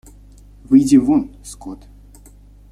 Выйди вон, скот.